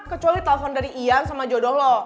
kecuali telfon dari ian sama jodoh lo